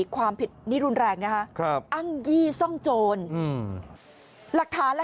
๔ความผิดนิรุนแรงอ้างยี่ซ่องโจร